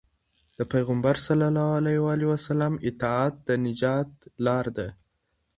د پيغمبر ﷺ اطاعت د نجات لار ده.